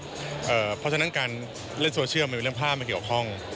เพราะฉะนั้นการเล่นโซเชียลมันเป็นเรื่องภาพมันเกี่ยวข้อง